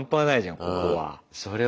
ここは。